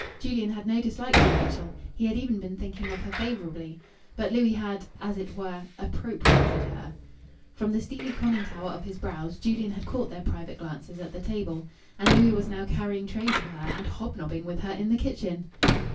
Julian had no dislike for Rachel; he had even been thinking of her favourably. But Louis had, as it were, appropriated her ... From the steely conning tower of his brows Julian had caught their private glances at the table. And Louis was now carrying trays for her, and hobnobbing with her in the kitchen!